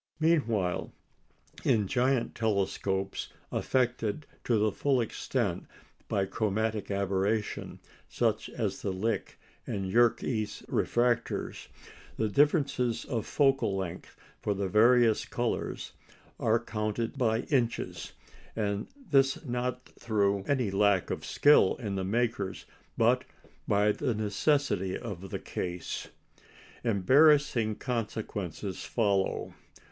Meanwhile, in giant telescopes affected to the full extent by chromatic aberration, such as the Lick and Yerkes refractors, the differences of focal length for the various colours are counted by inches, and this not through any lack of skill in the makers, but by the necessity of the case. Embarrassing consequences follow.